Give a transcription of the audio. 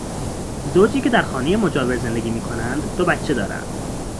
زوجی که در خانهی مجاور زندگی میکنند دو بچه دارند.